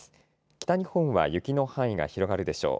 北日本は雪の範囲が広がるでしょう。